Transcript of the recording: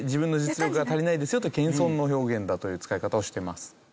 謙遜の表現だという使い方をしてます。